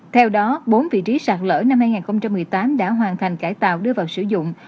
theo đó bốn vị trí sạt lở năm hai nghìn một mươi tám đã hoàn thành cải tạo đưa vào sử dụng